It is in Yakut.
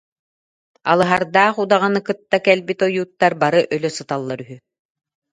Алыһардаах удаҕаны кытта кэлбит ойууттар бары өлө сыталлар үһү